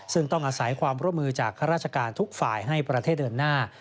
ซึ่งต้องอาศัยความร่วมมือจากข้าราชการทุกฝ่ายให้ประเทศเดินหน้า